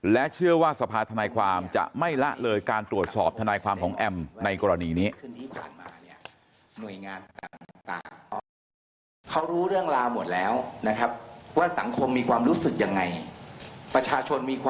และเชื่อว่าสภาธนายความจะไม่ละเลยการตรวจสอบทนายความของแอมในกรณีนี้